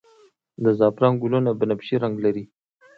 د زعفران ګلونه بنفش رنګ لري